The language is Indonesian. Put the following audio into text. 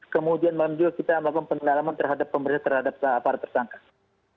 kemudian malam juga kita melakukan pengalaman terhadap pemeriksaan terhadap para tersangkat